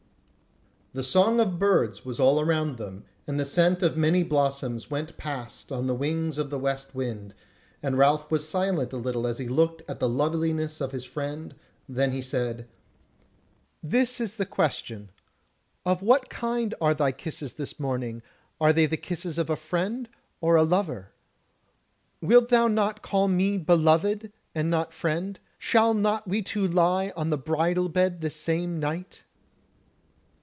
The song of birds was all around them, and the scent of many blossoms went past on the wings of the west wind, and Ralph was silent a little as he looked at the loveliness of his friend; then he said: "This is the question; of what kind are thy kisses this morning, are they the kisses of a friend or a lover? Wilt thou not called me beloved and not friend? Shall not we two lie on the bridal bed this same night?"